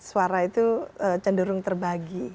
suara itu cenderung terbagi